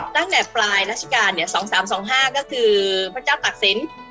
ตั้งแต่ปลายราชการ๒๓๒๕ก็คือพระเจ้าตักศิลป์